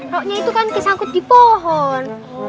roknya itu kan kesangkut di pohon